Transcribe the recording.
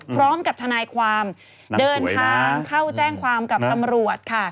พร้อมกับทนายความเดินทางเข้าแจ้งความกับตำรวจค่ะ